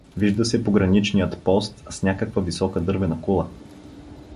Вижда се пограничният пост с някаква висока дървена кула.